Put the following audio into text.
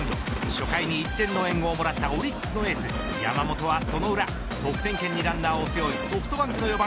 初回に１点の援護をもらったオリックスのエース山本はその裏、得点圏にランナーを背負いソフトバンクの４番。